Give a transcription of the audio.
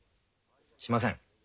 しません。